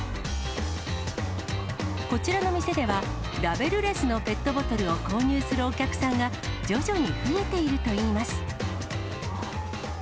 こちらの店では、ラベルレスのペットボトルを購入するお客さんが徐々に増えているといいます。